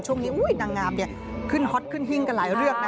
ช่วงนี้นางงามขึ้นฮอตขึ้นหิ้งกันหลายเรื่องนะ